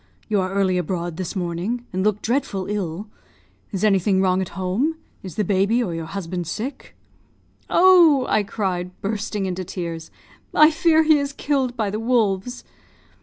You are early abroad this morning, and look dreadful ill. Is anything wrong at home? Is the baby or your husband sick?" "Oh!" I cried, bursting into tears, "I fear he is killed by the wolves."